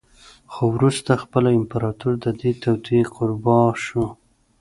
خو وروسته خپله امپراتور د دې توطیې قربا شو